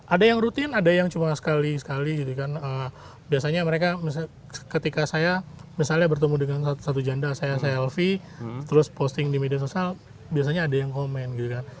ada yang rutin ada yang cuma sekali sekali gitu kan biasanya mereka misalnya ketika saya misalnya bertemu dengan satu janda saya saya alfie terus posting di media sosial biasanya ada yang komen gitu kan